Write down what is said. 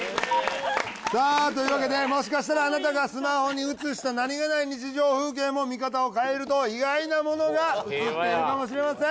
さあというわけでもしかしたらあなたがスマホに写した何気ない日常風景も見方を変えると意外なものが映っているかもしれません。